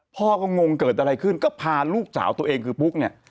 พ่อก็งงเกิดอะไรขึ้นก็พาลูกสาวตัวเองคือปุ๊กเนี่ย